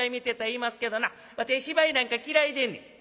言いますけどなわたい芝居なんか嫌いでんねん」。